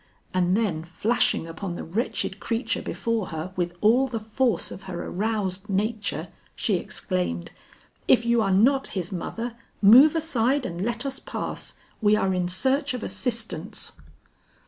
and then flashing upon the wretched creature before her with all the force of her aroused nature, she exclaimed, "If you are not his mother, move aside and let us pass, we are in search of assistance."